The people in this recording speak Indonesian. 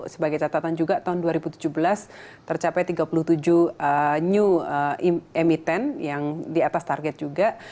sebagai catatan juga tahun dua ribu tujuh belas tercapai tiga puluh tujuh new emiten yang di atas target juga